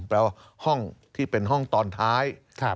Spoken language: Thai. แปลว่าห้องที่เป็นห้องตอนท้าย